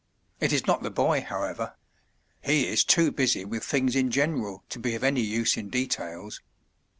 It is not the boy, however; he is too busy with things in general to be of any use in details.